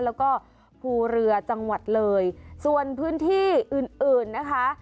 แล้วก็ภูเรือจังหวัดเลยส่วนพื้นที่อื่นอื่นนะคะ